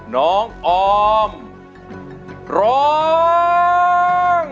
น้องออมร้อง